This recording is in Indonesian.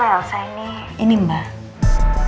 elsa sudah sampai